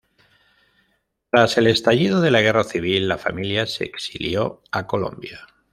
Tras el estallido de la Guerra Civil, la familia se exilió a Colombia.